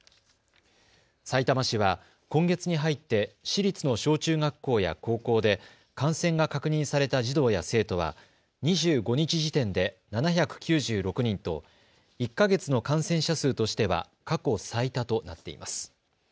さいたま市は今月に入って市立の小中学校や高校で感染が確認された児童や生徒は２５日時点で７９６人と１か月の感染者数としては過去最多となっています。